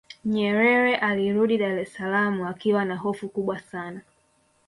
nyerere alirudi dar es salaam akiwa na hofu kubwa sana